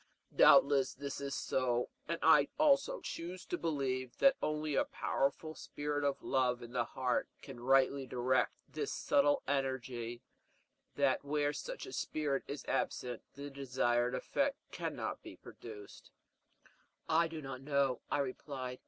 Doubtless this is so; and I also choose to believe that only a powerful spirit of love in the heart can rightly direct this subtle energy, that where such a spirit is absent the desired effect cannot be produced." "I do not know," I replied.